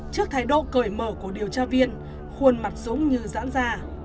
trước thái độ cởi mở của điều tra viên khuôn mặt dũng như giãn ra